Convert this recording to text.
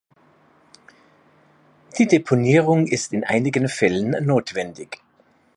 Die Deponierung ist in einigen Fällen notwendig.